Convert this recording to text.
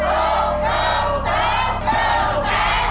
ถูกแสนถูกแสนถูกแสนถูกแสน